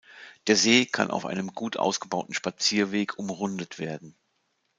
Der See kann auf einem gut ausgebauten Spazierweg umrundet werden.